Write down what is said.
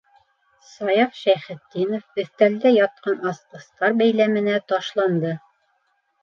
- Саяф Шәйхетдинов өҫтәлдә ятҡан асҡыстар бәйләменә ташланды.